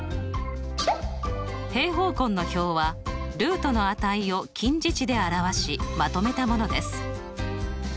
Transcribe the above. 平方根の表はルートの値を近似値で表しまとめたものです。